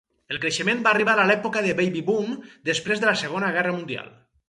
El creixement va arribar a l'època del baby-boom després de la Segona Guerra Mundial.